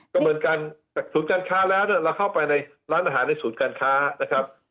ดำเนินการจากศูนย์การค้าแล้วเนี่ยเราเข้าไปในร้านอาหารในศูนย์การค้านะครับ